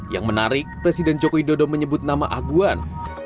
yang menarik presiden joko widodo menyebut nama aguan